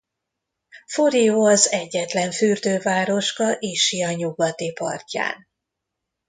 Forio az egyetlen fürdővároska Ischia nyugati partján.